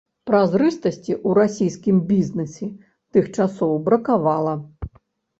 Празрыстасці ў расійскім бізнэсе тых часоў бракавала.